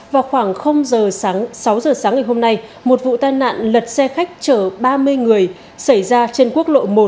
vào khoảng giờ sáng sáu giờ sáng ngày hôm nay một vụ tai nạn lật xe khách chở ba mươi người xảy ra trên quốc lộ một